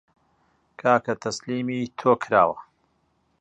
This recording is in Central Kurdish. کاکە تەسلیمی تۆ کراوە